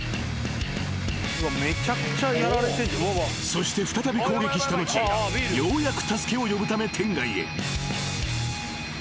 ［そして再び攻撃した後ようやく助けを呼ぶため店外へ］